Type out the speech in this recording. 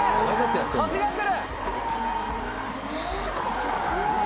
風が来る。